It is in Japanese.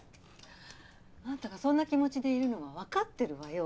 あなたがそんな気持ちでいるのはわかってるわよ。